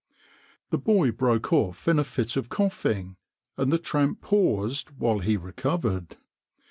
The boy broke off in a fit of coughing, and the tramp paused while he recovered.